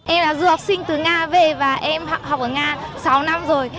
em là du học sinh từ nga về và em học ở nga sáu năm rồi